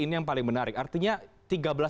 ini yang paling menarik artinya